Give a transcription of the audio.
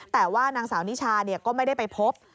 แต่ว่านางสาวนิชาก็ไม่ได้ไปพบ